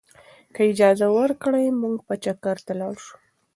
که هغه اجازه ورکړي، موږ به چکر ته لاړ شو.